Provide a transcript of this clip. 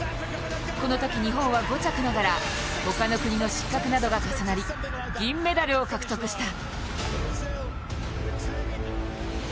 このとき日本は５着ながら、他の国の失格などが重なり銀メダルを獲得した。